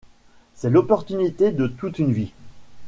C’est l’opportunité de toute une vie.